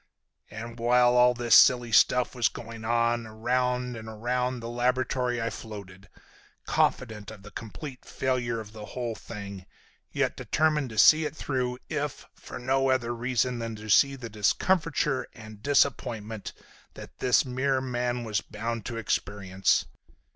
And while all this silly stuff was going on, around and around the laboratory I floated, confident of the complete failure of the whole thing, yet determined to see it through if for no other reason than to see the discomfiture and disappointment that this mere man was bound to experience.